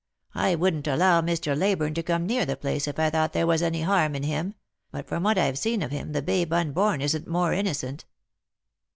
I wouldn't allow Mr. Leyburne to come near the place if I thought there was any harm in him ; but from what I've seen of him the babe unborn isn't more innocent."